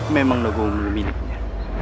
memang nogomulu miliknya